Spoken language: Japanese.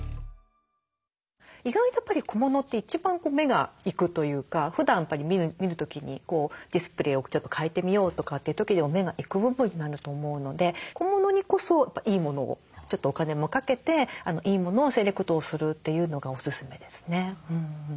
意外とやっぱり小物って一番目がいくというかふだん見る時にディスプレーをちょっと変えてみようとかって時でも目がいく部分になると思うので小物にこそいいものをちょっとお金もかけていいものをセレクトをするというのがおススメですね。